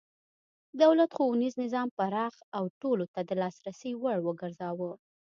دولت ښوونیز نظام پراخ او ټولو ته د لاسرسي وړ وګرځاوه.